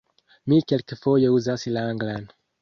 Mi kelkfoje uzas la anglan.